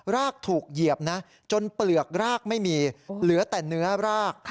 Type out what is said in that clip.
รากถูกเหยียบนะจนเปลือกรากไม่มีเหลือแต่เนื้อราก